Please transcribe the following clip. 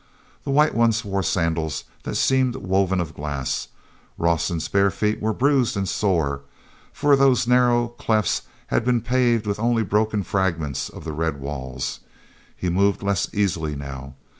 he White Ones wore sandals that seemed woven of glass. Rawson's bare feet were bruised and sore, for those narrower clefts had been paved only with broken fragments of the red walls. He moved less easily now.